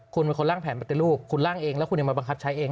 คุณเป็นคนล่างแผนปฏิรูปคุณล่างเองแล้วคุณยังมาบังคับใช้เอง